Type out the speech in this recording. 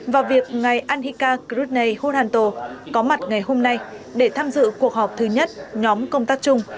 và việc ngày anhika kriit neuranto có mặt ngày hôm nay để tham dự cuộc họp thứ nhất nhóm công tác chung